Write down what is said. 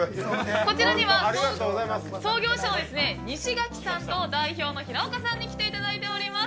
こちらには創業者の西垣さんと代表の平岡さんに来ていただいてます。